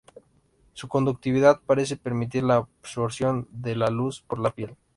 Su conductividad parece permitir la absorción de la luz por la piel.